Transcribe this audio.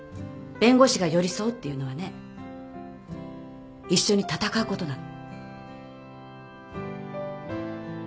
弁護士が寄り添うっていうのはね一緒に戦うことなの。